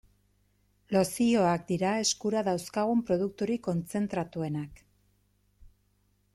Lozioak dira eskura dauzkagun produkturik kontzentratuenak.